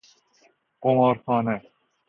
قمار خانه